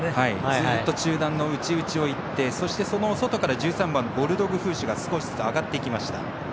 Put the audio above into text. ずっと中団の内、内をいってそして、その外から１３番、ボルドグフーシュが少しずつ上がっていきました。